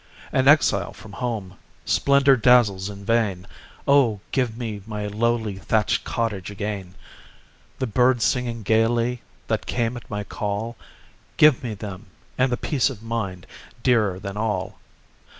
An exile from home, splendor dazzles in vain; O, give me my lowly thatched cottage again! The birds singing gayly, that came at my call, Give me them, and the peace of mind, dearer than all!